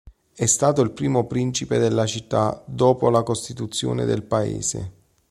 È stato il primo principe della città dopo la costituzione del paese.